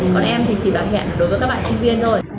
còn em thì chị đã hẹn đối với các bạn sinh viên rồi